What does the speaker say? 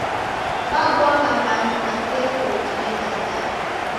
Wabwagha w'andu na seko ukidema sare.